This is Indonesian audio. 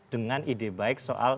dengan ide baik soal